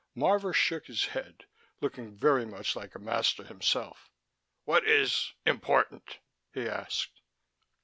Marvor shook his head, looking very much like a master himself. "What is important?" he said.